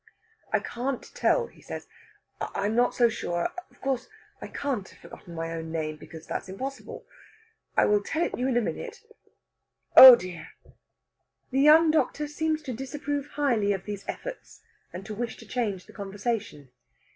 "I can't tell," he says. "I am not so sure. Of course, I can't have forgotten my own name, because that's impossible. I will tell it you in a minute.... Oh dear!..." The young doctor seemed to disapprove highly of these efforts, and to wish to change the conversation.